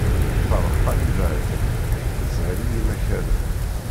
Ṭeṛḥa ibeɛden, teshel i yimakaren.